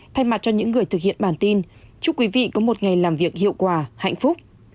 thay mặt cho những người thực hiện bản tin chúc quý vị có một ngày làm việc hiệu quả hạnh phúc